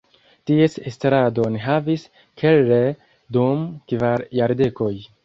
Ties estradon havis Keller dum kvar jardekoj.